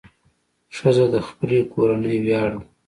ښځه د خپلې کورنۍ ویاړ ده.